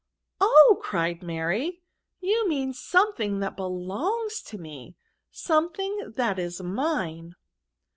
Oh !" cried Mary, " you mean something that belongs to me ; something that is mine.